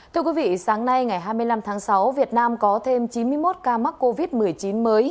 thưa quý vị sáng nay ngày hai mươi năm tháng sáu việt nam có thêm chín mươi một ca mắc covid một mươi chín mới